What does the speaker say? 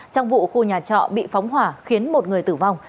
trong vụ khu nhà trọ bị phóng hỏa khiến một người tử vong